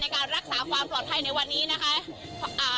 การรักษาความปลอดภัยในวันนี้นะคะอ่า